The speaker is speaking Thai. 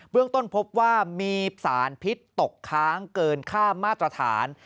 เรื่องต้นพบว่ามีสารพิษตกค้างเกินค่ามาตรฐาน